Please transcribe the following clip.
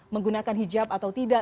menggunakan hijab atau tidak